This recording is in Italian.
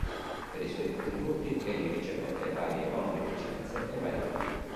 Per i suoi contributi egli ricevette varie onorificenze e vari premi.